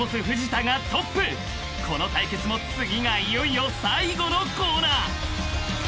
［この対決も次がいよいよ最後のコーナー］